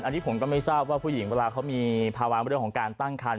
อันนี้ผมก็ไม่ทราบว่าผู้หญิงเวลาเขามีภาวะเรื่องของการตั้งคัน